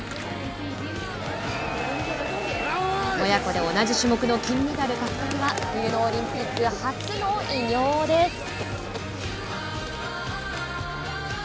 親子で同じ種目の金メダル獲得は冬のオリンピック初の偉業です。